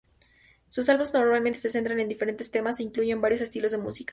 Sus albums normalmente se centran en diferentes temas e incluye varios estilos de música.